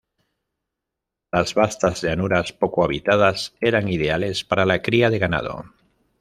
Las vastas llanuras, poco habitadas, era ideales para la cría de ganado.